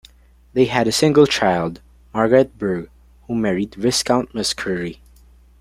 They had a single child, Margaret Burgh, who married Viscount Muskerry.